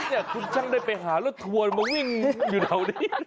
เออคุณช่างได้ไปหาแล้วถวนมาวิ่งอยู่ดาวนี้